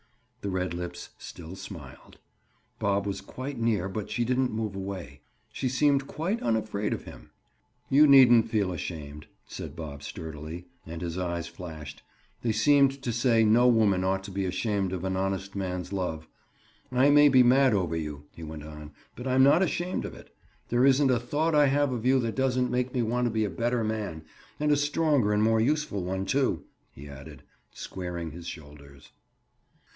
The red lips still smiled. Bob was quite near but she didn't move away. She seemed quite unafraid of him. "You needn't feel ashamed," said Bob sturdily. And his eyes flashed. They seemed to say no woman ought to be ashamed of an honest man's love. "I may be mad over you," he went on, "but I'm not ashamed of it. There isn't a thought I have of you that doesn't make me want to be a better man, and a stronger and more useful one, too," he added, squaring his shoulders.